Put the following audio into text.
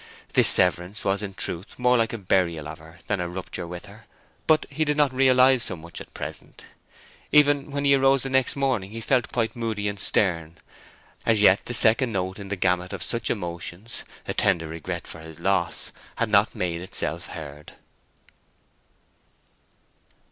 This severance was in truth more like a burial of her than a rupture with her; but he did not realize so much at present; even when he arose in the morning he felt quite moody and stern: as yet the second note in the gamut of such emotions, a tender regret for his loss, had not made itself heard.